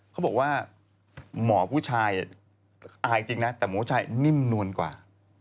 เขาบอกว่าหมอผู้ชายอายจริงนะแต่หมอผู้ชายนิ่มนวลกว่า